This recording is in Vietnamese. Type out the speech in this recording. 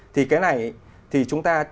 thì cái này thì chúng ta